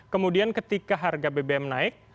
kemudian ketika harga bbm naik